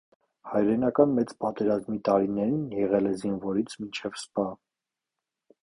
Հայրենական մեծ պատերազմի տարիներին եղել է զինվորից մինչև սպա։